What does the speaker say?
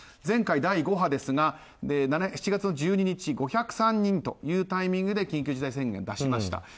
前回、第５波ですが７月１２日５０３人というタイミングで緊急事態宣言を出しました。